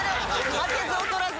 負けず劣らず。